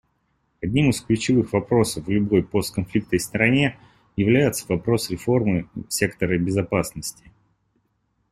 Одним из ключевых вопросов в любой постконфликтной стране является вопрос реформы сектора безопасности.